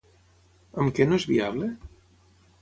Amb què no és viable?